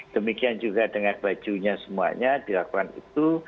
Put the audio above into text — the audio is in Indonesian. demikian juga dengan bajunya semuanya dilakukan itu